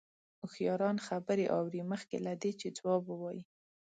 هوښیاران خبرې اوري مخکې له دې چې ځواب ووايي.